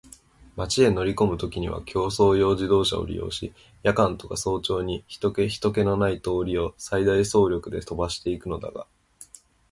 町へ乗りこむときには競走用自動車を利用し、夜間とか早朝に人気ひとけのない通りを最大速力で飛ばしていくのだが、